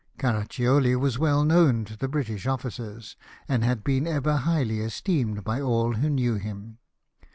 Caraccioli was well known to the British officers, and had been ever highly esteemed by all who l^new him.